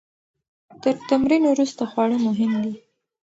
تر تمرین وروسته خواړه مهم دي.